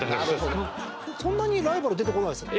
そんなにライバル出てこないですよね？